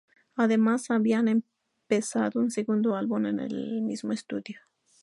Además, habían empezado un segundo álbum en el mismo estudio.